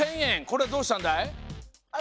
コレどうしたんだい？